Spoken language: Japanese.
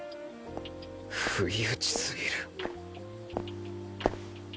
不意打ちすぎる。